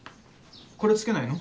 これつけないの？